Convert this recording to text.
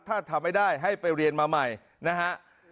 ถ้าทำไม่ได้ให้ไปเรียนมาใหม่นะฮะ